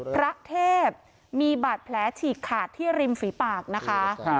พระเทพมีบาดแผลฉีกขาดที่ริมฝีปากนะคะ